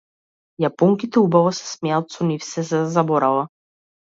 Јапонките убаво се смеат, со нив сѐ се заборава.